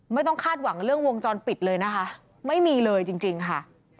ไม่ต้องคาดหวังเรื่องวงจรปิดเลยนะคะไม่มีเลยจริงค่ะ